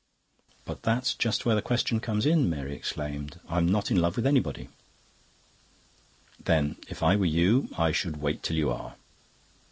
"But that's just where the question comes in," Mary exclaimed. "I'm not in love with anybody." "Then, if I were you, I should wait till you are."